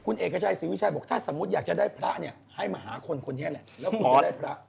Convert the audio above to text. คุณเอกชัยศรีวิชัยบอกถ้าสมมุติอยากจะได้พระเนี่ยให้มาหาคนคนนี้แหละแล้วคุณจะได้พระ